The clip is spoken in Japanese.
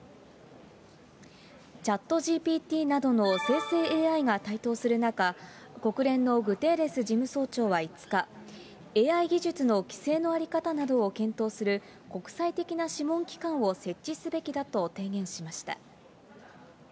チャットＧＰＴなどの生成ＡＩが台頭する中、国連のグテーレス事務総長は５日、ＡＩ技術の規制の在り方などを検討する、国際的な諮問機関を設置すべきだと提言しました。